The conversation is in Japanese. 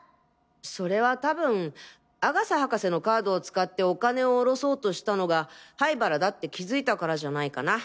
それはたぶん阿笠博士のカードを使ってお金をおろそうとしたのが灰原だって気付いたからじゃないかな？